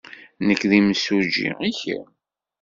Nekk d imsujji. I kemm?